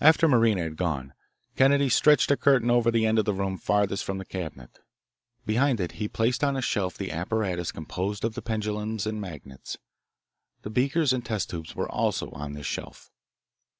After Marina had gone, Kennedy stretched a curtain over the end of the room farthest from the cabinet. Behind it he placed on a shelf the apparatus composed of the pendulums and magnets. The beakers and test tubes were also on this shelf.